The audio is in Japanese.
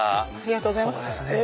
ありがとうございます。